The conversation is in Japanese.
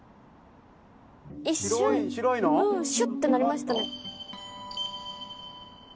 一瞬シュッとなりましたね。